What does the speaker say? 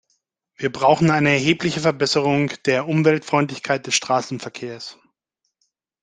Wir brauchen eine erhebliche Verbesserung der Umweltfreundlichkeit des Straßenverkehrs.